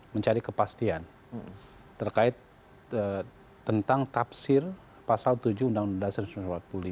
mencari kepastian terkait tentang tafsir pasal tujuh undang undang dasar seribu sembilan ratus empat puluh lima